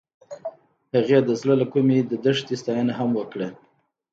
هغې د زړه له کومې د دښته ستاینه هم وکړه.